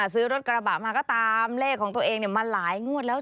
ซื้อรถกระบะมาก็ตามเลขของตัวเองมาหลายงวดแล้ว